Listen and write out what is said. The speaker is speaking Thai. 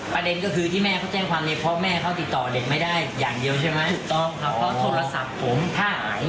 ประเด็นก็คือที่แม่เขาแจ้งความเล็บ